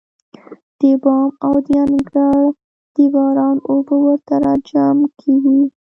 د بام او د انګړ د باران اوبه ورته راجمع کېږي.